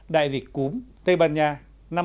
đại dịch cúm tây ban nha năm một nghìn chín trăm một mươi tám